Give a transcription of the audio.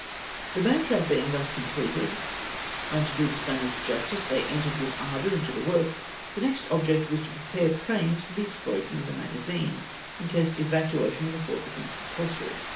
MANUFACTUKE A MANTRAP. 305 The mantrap being thus completed, — and to do the Spaniards justice, they entered with ardour into the work, ^— the next object was to prepare trains for the explosion of the magazines, in case evacuation of the fort became compulsory.